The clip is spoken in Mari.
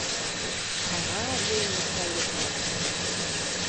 — А-а... — вуйым лупша Йыгнат.